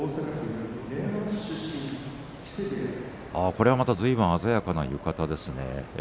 これはまたずいぶん鮮やかな浴衣です。